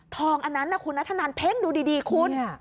อันนั้นคุณนัทธนันเพ่งดูดีคุณ